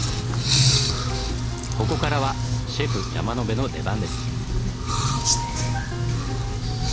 ここからはシェフ・山野辺の出番です。